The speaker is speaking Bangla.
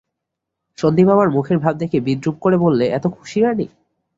সন্দীপ আমার মুখের ভাব দেখে বিদ্রূপ করে বললে, এত খুশি রানী?